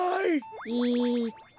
えっと